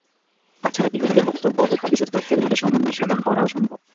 তাছাড়া ইহুদীদের বক্তব্য ও হাদীসের তথ্যের মাঝে সমন্বয় সাধন করাও সম্ভব।